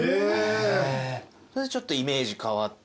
それでちょっとイメージ変わって。